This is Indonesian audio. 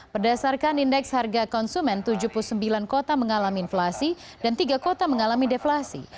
berdasarkan indeks harga konsumen tujuh puluh sembilan kota mengalami inflasi dan tiga kota mengalami deflasi